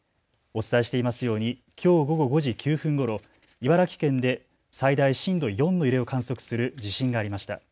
お伝えしていますようにきょう午後５時９分ごろ茨城県で最大震度４の揺れを観測する地震がありました。